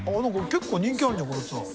結構人気あるんじゃん